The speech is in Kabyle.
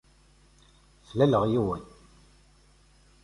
Slaleɣ yiwen.